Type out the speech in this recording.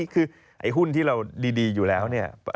คือไอ้หุ้นที่เราดีอยู่แล้วเนี่ย